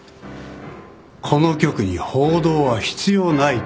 この局に報道は必要ないと。